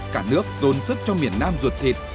cả nước dồn sức cho miền nam ruột thịt